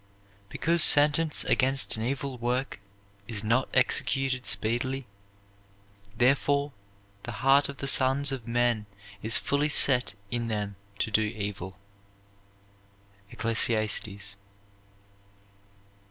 Because sentence against an evil work is not executed speedily, therefore the heart of the sons of men is fully set in them to do evil. ECCLESIASTES.